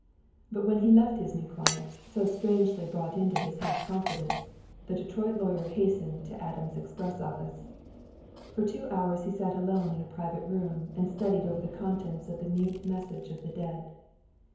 But when he left his new client, so strangely brought into his half confidence, the Detroit lawyer hastened to Adams' Express office. For two hours he sat alone in a private room and studied over the contents of the mute message of the dead.